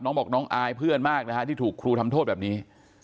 น้องบอกน้องอายเพื่อนมากนะฮะที่ถูกครูทำโทษแบบนี้